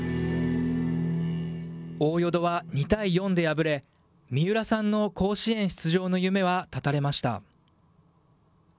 大淀は２対４で敗れ、三浦さんの甲子園出場の夢はたたれました。